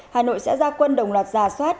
hà nội sẽ ra quân đồng loạt giả soát